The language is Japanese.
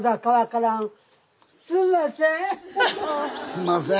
すんません。